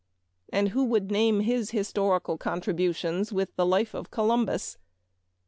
and who would name his historical compositions with the " Life of Columbus ?